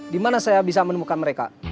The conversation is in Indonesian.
dimana saya bisa menemukan mereka